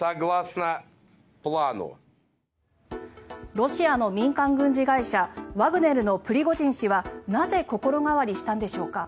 ロシアの民間軍事会社ワグネルのプリゴジン氏はなぜ心変わりしたんでしょうか。